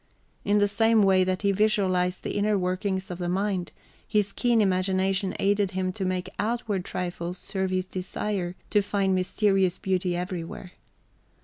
In the same way that he visualized the inner workings of the mind, his keen imagination aided him to make outward trifles serve his desire to find mysterious beauty everywhere.